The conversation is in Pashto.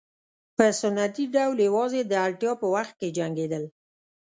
په سنتي ډول یوازې د اړتیا په وخت کې جنګېدل.